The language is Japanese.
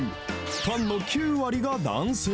ファンの９割が男性。